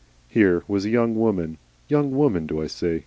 Here was a young woman young woman do I say?